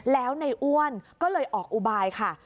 แล้วในอ้วนก็เลยออกอุบายค่ะ